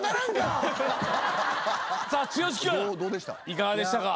いかがでしたか？